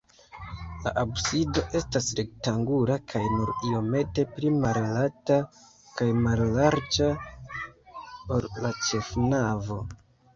La absido estas rektangula kaj nur iomete pli malalta kaj mallarĝa, ol la ĉefnavo.